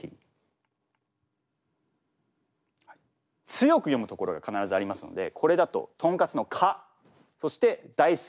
強く読む所が必ずありますのでこれだととんかつの「か」そしてだいすきの「す」ですね。